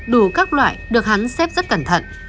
đủ các loại được hắn xếp rất cẩn thận